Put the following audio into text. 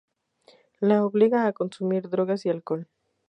La obliga a consumir drogas y alcohol.